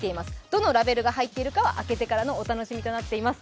どのラベルが入っているかは開けてからのお楽しみになっています。